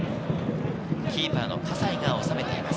キーパーの葛西が収めています。